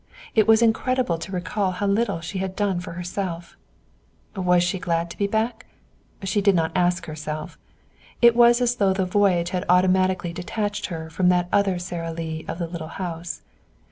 It was incredible to recall how little she had done for herself. Was she glad to be back? She did not ask herself. It was as though the voyage had automatically detached her from that other Sara Lee of the little house.